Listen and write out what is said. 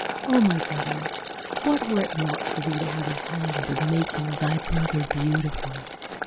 O my brother, what were it not for thee to have a hand in making thy brother beautiful!